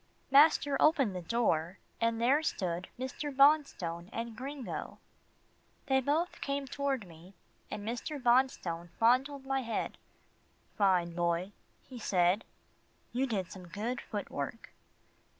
Master opened the door, and there stood Mr. Bonstone and Gringo. They both came toward me, and Mr. Bonstone fondled my head. "Fine Boy," he said, "you did some good foot work."